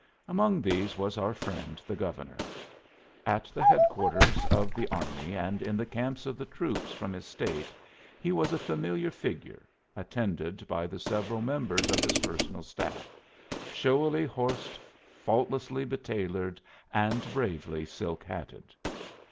Among these was our friend the Governor. At the headquarters of the army and in the camps of the troops from his State he was a familiar figure, attended by the several members of his personal staff, showily horsed, faultlessly betailored and bravely silk hatted.